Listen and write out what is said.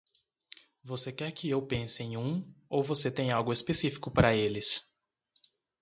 Você quer que eu pense em um ou você tem algo específico para eles?